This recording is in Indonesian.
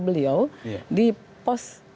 beliau di pos